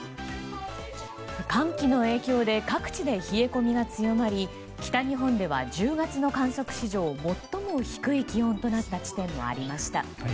寒気の影響で各地で冷え込みが強まり北日本では１０月の観測史上最も低い気温となった地点もありました。